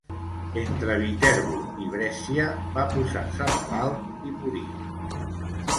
Entre Viterbo i Brescia va posar-se malalt i morir.